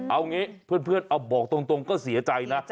เอางี้เพื่อนเอาบอกตรงก็เสียใจนะ